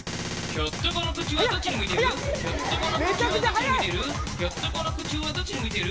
「ひょっとこの口はどっちに向いている？」